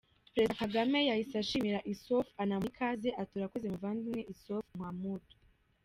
Perezida Kagame yahise ashimira Issouffou anamuha ikaze ati “Urakoze muvandimwe Issoufou Mahamadou.